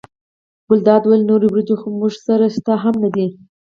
ګلداد وویل نورې وریجې خو موږ سره شته هم نه دي.